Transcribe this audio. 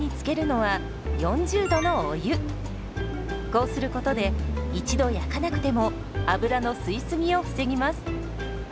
こうすることで一度焼かなくても油の吸い過ぎを防ぎます。